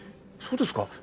そうですか？